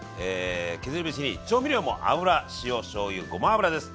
削り節に調味料も油・塩・しょうゆごま油です。